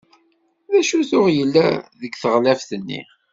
D acu tuɣ yellan deg teɣlaft-nni?